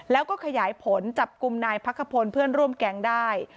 แล้วก็ขยายผลจับกลุ่มนายพักขพลเพื่อนร่วมแก๊งได้